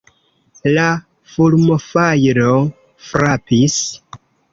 La fulmofajro frapis.